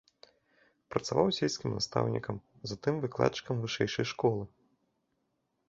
Працаваў сельскім настаўнікам, затым выкладчыкам вышэйшай школы.